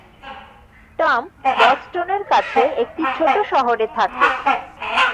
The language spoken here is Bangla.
টম বস্টনের কাছে একটা ছোট শহরে থাকে।